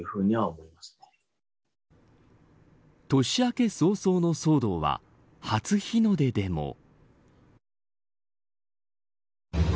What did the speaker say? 年明け早々の騒動は初日の出でも。